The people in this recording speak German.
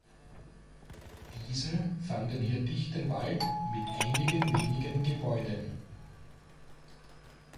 Diese fanden hier dichten Wald mit einigen wenigen Gebäuden.